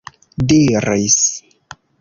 diris